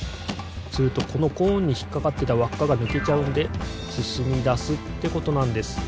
するとこのコーンにひっかかってたわっかがぬけちゃうのですすみだすってことなんです。